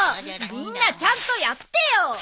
みんなちゃんとやってよ！